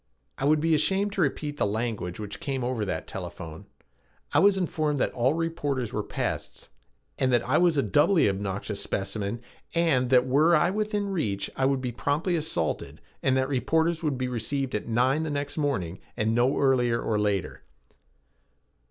I would be ashamed to repeat the language which came over that telephone. I was informed that all reporters were pests and that I was a doubly obnoxious specimen and that were I within reach I would be promptly assaulted and that reporters would be received at nine the next morning and no earlier or later.